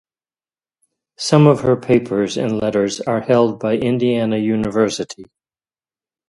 Some of her papers and letters are held by Indiana University.